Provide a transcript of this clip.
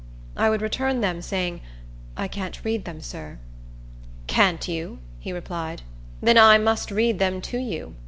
I would return them, saying, "I can't read them, sir." "Can't you?" he replied; "then I must read them to you."